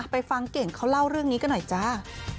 ฟังเก่งเขาเล่าเรื่องนี้กันหน่อยจ้า